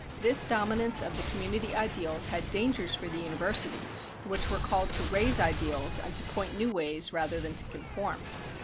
This dominance of the community ideals had dangers for the Universities, which were called to raise ideals and to point new ways, rather than to conform.